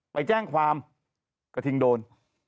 ไปแจ้งความกระทิงโดน